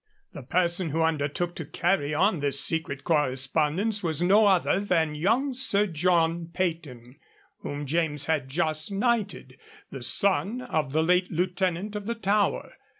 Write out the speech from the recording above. The person who undertook to carry on this secret correspondence was no other than young Sir John Peyton, whom James had just knighted, the son of the late Lieutenant of the Tower.